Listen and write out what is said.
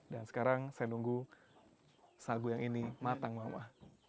dan sekarang saya menunggu sagu yang ini matang mama